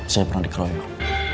saya pernah dikeroyok